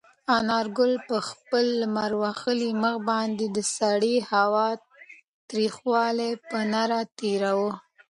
انارګل په خپل لمر وهلي مخ باندې د سړې هوا تریخوالی په نره تېراوه.